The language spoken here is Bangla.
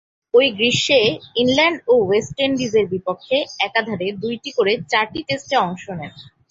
ঐ গ্রীষ্মে ইংল্যান্ড ও ওয়েস্ট ইন্ডিজের বিপক্ষে একাধারে দুইটি করে চারটি টেস্টে অংশ নেন।